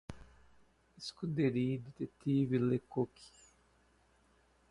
scuderie detetive le cocq